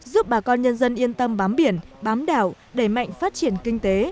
giúp bà con nhân dân yên tâm bám biển bám đảo đẩy mạnh phát triển kinh tế